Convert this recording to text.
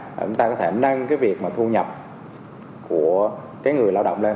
thứ ba là chúng ta có thể nâng cái việc mà thu nhận của cái người lao động lên